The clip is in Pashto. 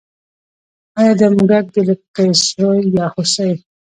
ایا دا موږک دی که سوی یا هوسۍ